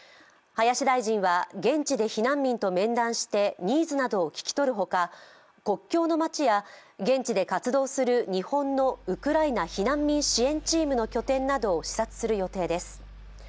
林大臣は現地で避難民と面談してニーズなどを聞き取るほか、国境の町や現地で活動する日本のウクライナ避難民支援チームの拠点などを視察する予定です。